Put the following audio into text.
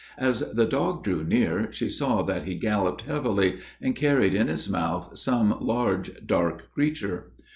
As the dog drew near, she saw that he galloped heavily, and carried in his mouth some large, dark creature.